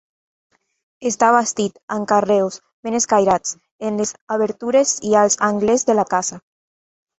Està bastit amb carreus ben escairats en les obertures i als angles de la casa.